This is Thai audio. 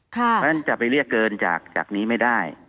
เพราะฉะนั้นจะไปเรียกเกินจากนี้ไม่ได้